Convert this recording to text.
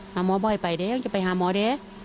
หาหมอบ่อยไปเด้ยอย่าไปหาหมอเด้ย